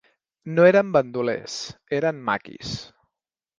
No eren bandolers, eren maquis.